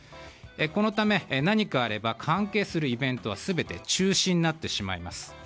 このため、何かあれば関係するイベントは全て中止になってしまいます。